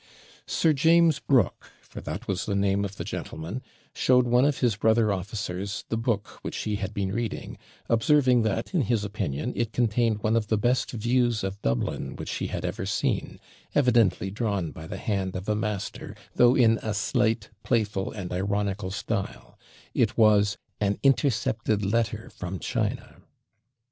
Sir James Brooke, for that was the name of the gentleman, showed one of his brother officers the book which he had been reading, observing that, in his opinion, it contained one of the best views of Dublin which he had ever seen, evidently drawn by the hand of a master, though in a slight, playful, and ironical style: it was 'AN INTERCEPTED LETTER FROM CHINA.'